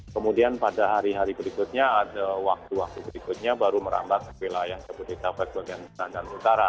kemudian pada hari hari berikutnya ada waktu waktu berikutnya baru merambat ke wilayah jabodetabek bagian tengah dan utara